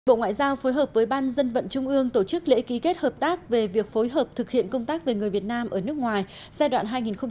bộ ngoại giao phối hợp với ban dân vận trung ương tổ chức lễ ký kết hợp tác về việc phối hợp thực hiện công tác về người việt nam ở nước ngoài giai đoạn hai nghìn một mươi sáu hai nghìn hai mươi